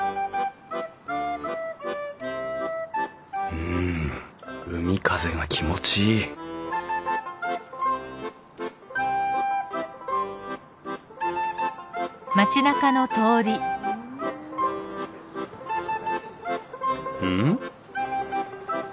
うん海風が気持ちいいん？